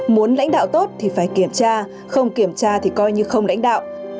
muốn lãnh đạo tốt thì phải kiểm tra không kiểm tra thì coi như không lãnh đạo